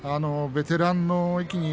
ベテランの域に